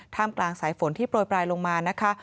กลางสายฝนที่โปรยปลายลงมานะคะ